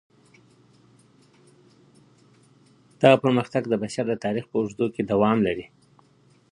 دغه پرمختګ د بشر د تاريخ په اوږدو کي دوام لري.